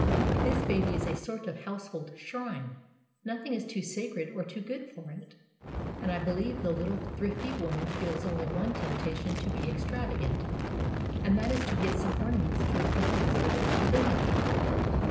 This baby is a sort of household shrine; nothing is too sacred or too good for it; and I believe the little thrifty woman feels only one temptation to be extravagant, and that is to get some ornaments to adorn this little divinity."